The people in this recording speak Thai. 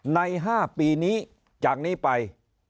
ใน๕ปีนี้จากนี้ไป